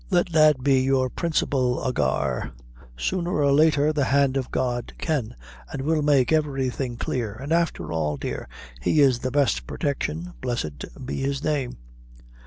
"Let that be your principle, ahagur sooner or latter the hand o' God can and will make everything clear, and after all, dear, he is the best protection, blessed be his name!"